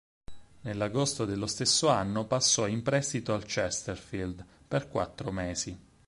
Nell'agosto dello stesso anno passò in prestito al Chesterfield per quattro mesi.